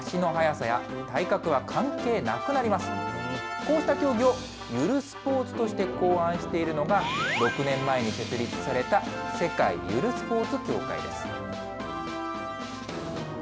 こうした競技をゆるスポーツとして考案しているのが、６年前に設立された、世界ゆるスポーツ協会です。